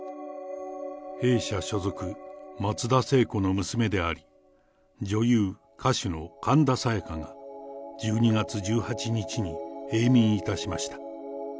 弊社所属、松田聖子の娘であり、女優、歌手の神田沙也加が１２月１８日に永眠いたしました。